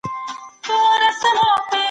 د اوبو په ذریعه بدن فعاله پاته کیږي.